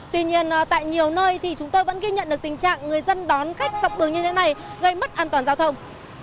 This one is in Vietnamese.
tuy nhiên tại nhiều nơi thì chúng tôi vẫn ghi nhận được tình trạng người dân đón khách dọc đường như thế này gây mất an toàn giao thông